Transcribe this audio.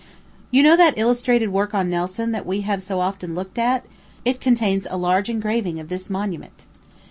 You know that illustrated work on Nelson that we have so often looked at it contains a large engraving of this monument.